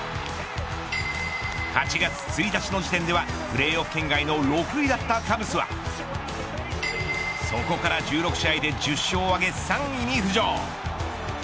８月１日の時点ではプレーオフ圏外の６位だったカブスはそこから１６試合で１０勝を挙げ、３位に浮上。